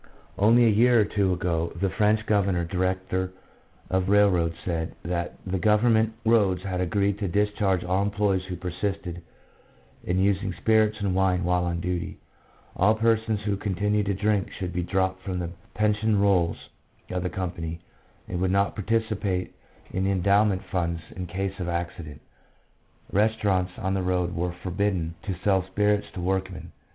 Only a year or two ago the French Governor director of Railroads said that all the Government roads had agreed to discharge all employees who persisted in using spirits and wine while on duty ; all persons who continued to drink should be dropped from the pension rolls of the company, and would not participate in the endow ment funds in case of an accident. Restaurants on the road were forbidden to sell spirits to workmen.